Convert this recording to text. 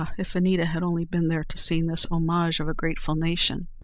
if Anita had only been there to have seen this homage of a grateful nation.